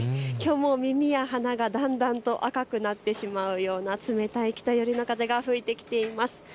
きょうも耳や鼻がだんだんと赤くなってしまうような冷たい北寄りの風が吹いてきています。